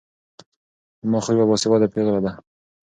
زما خور يوه باسواده پېغله ده